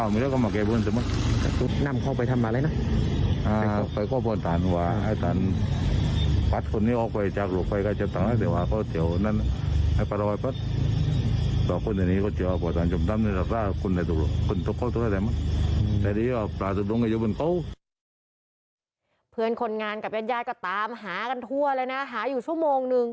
เพื่อนคนงานกับญาติก็ตามหากันทั่วเลยนะหาอยู่ชั่วโมงนึง